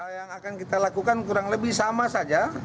yang akan kita lakukan kurang lebih sama saja